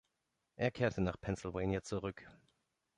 Er kehrte nach Pennsylvania zurück.